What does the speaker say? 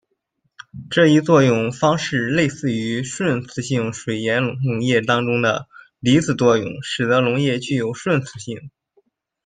这一作用方式类似于顺磁性水盐溶液当中的离子作用使得溶液具有顺磁性。